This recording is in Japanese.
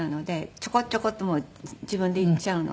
ちょこちょこっともう自分で行っちゃうので。